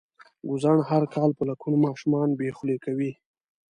ګوزڼ هر کال په لکونو ماشومان بې خولې کوي.